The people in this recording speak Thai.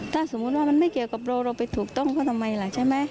ถ้าสมมุติว่ามันไม่เกี่ยวกับเราเราไปถูกต้องเขาทำไมล่ะใช่ไหม